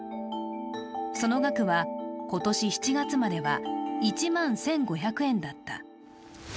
その額は、今年７月までは１万１５００円だった。